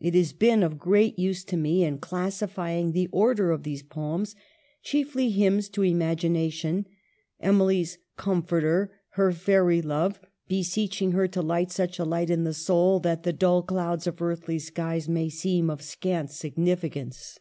It has been of great use to me in classify ing the order of these poems, chiefly hymns to imagination, Emily's " Comforter," her " Fairy love;" beseeching her to light such a light in the soul that the dull clouds of earthly skies may seem of scant significance.